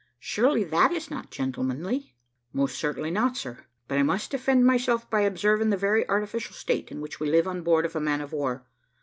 surely that is not gentlemanly?" "Most certainly not, sir. But I must defend myself by observing the very artificial state in which we live on board of a man of war.